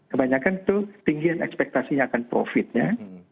kebanyakan itu tinggi ekspektasinya akan profitnya